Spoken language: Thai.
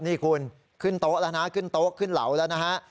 นี่คุณขึ้นโต๊ะแล้วนะขึ้นโต๊ะขึ้นเหลาแล้วนะฮะ